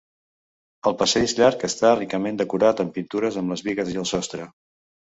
El passadís llarg està ricament decorat amb pintures en les bigues i el sostre.